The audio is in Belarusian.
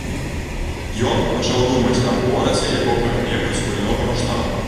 Ён пачаў думаць аб горадзе якога-небудзь буйнога маштабу.